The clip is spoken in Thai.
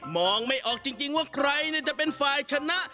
มองไม่ออกจริงว่าใครจะเป็นฝ่ายชนะ